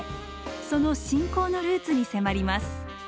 その信仰のルーツに迫ります。